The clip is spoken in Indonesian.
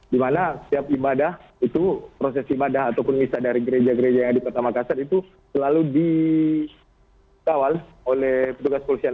dimana setiap ibadah itu proses ibadah ataupun misa dari gereja gereja yang ada di kota makassar itu selalu dikawal oleh petugas polisian